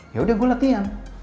yaudah gue latihan